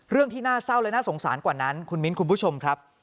เรื่องที่น่าเศร้าและน่าสงสารกว่านั้นคุณมิ้นคุณผู้ชมครับ